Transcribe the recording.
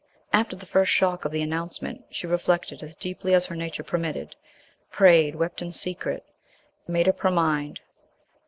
After the first shock of the announcement, she reflected as deeply as her nature permitted, prayed, wept in secret and made up her mind.